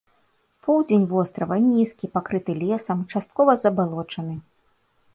Поўдзень вострава нізкі, пакрыты лесам, часткова забалочаны.